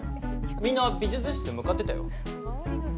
みんな美術室へ向かってたよ。